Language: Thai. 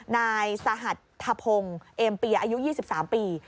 นายสหัทธพงศ์เอ็มเปียอายุ๒๓ปี